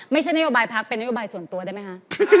ไม่ใช่นโยบายพักเป็นนโยบายส่วนตัวได้ไหมคะ